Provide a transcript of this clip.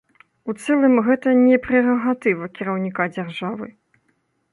У цэлым гэта не прэрагатыва кіраўніка дзяржавы.